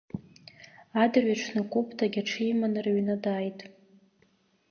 Адырҩаҽны Кәыптагь аҽы иман рыҩны дааит.